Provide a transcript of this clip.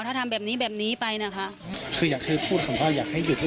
ถ้าทำแบบนี้แบบนี้ไปนะคะคืออยากคือพูดของเขาอยากให้หยุด